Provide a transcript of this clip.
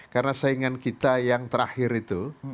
karena saingan kita yang terakhir itu